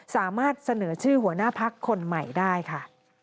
สามารถเสนอชื่อหัวหน้าพักคนใหม่ได้ค่ะ